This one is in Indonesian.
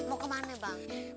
mau ke mana bang